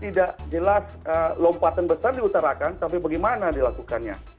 tidak jelas lompatan besar diutarakan tapi bagaimana dilakukannya